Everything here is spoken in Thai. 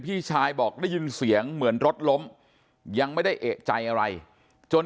พี่ชายบอกได้ยินเสียงเหมือนรถล้มยังไม่ได้เอกใจอะไรจน